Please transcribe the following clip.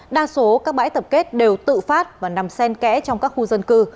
đa số các bãi tập kết đều tự phát và nằm sen kẽ trong các khu dân cư